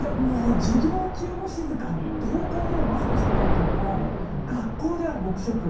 授業中も静かに登校でもマスクしてないって怒られ、学校では黙食。